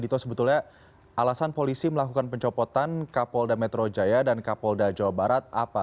dito sebetulnya alasan polisi melakukan pencopotan kapolda metro jaya dan kapolda jawa barat apa